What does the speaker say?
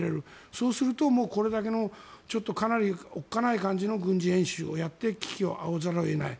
そうすると、これだけのかなりおっかない感じの軍事演習を危機をあおらざるを得ない。